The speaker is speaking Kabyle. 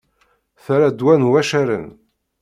Terra ddwa n waccaren.